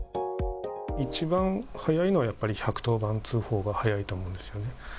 一番早いのはやっぱり、１１０番通報が早いと思うんですよね。